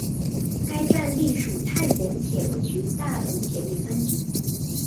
该站隶属太原铁路局大同铁路分局。